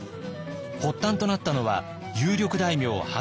発端となったのは有力大名畠